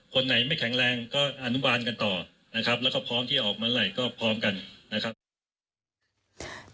คนไหนไม่แข็งแรงก็อนุวานกันต่อแล้วก็พร้อมที่จะเอาออกเมื่อไหร่ก็พร้อมกัน